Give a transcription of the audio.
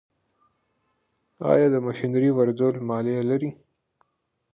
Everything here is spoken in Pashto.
آیا د ماشینرۍ واردول مالیه لري؟